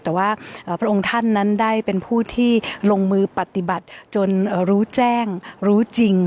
แต่ว่าพระองค์ท่านนั้นได้เป็นผู้ที่ลงมือปฏิบัติจนรู้แจ้งรู้จริง